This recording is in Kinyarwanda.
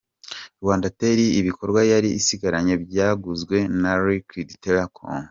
Rwandatel ibikorwa yari isigaranye byaguzwe na Liquid Telecom.